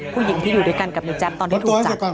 ผู้หญิงที่อยู่ด้วยกันกับในแจ๊บตอนที่ถูกจับ